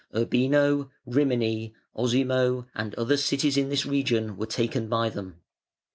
Urbino, Rimini, Osimo, and other cities in this region were taken by them.